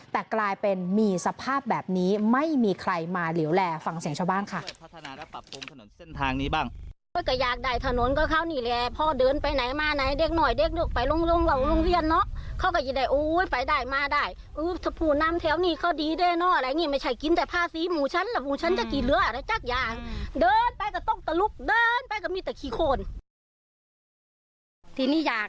แต่กลายเป็นมีสภาพแบบนี้ไม่มีใครมาเหลวแลฟังเสียงชาวบ้านค่ะ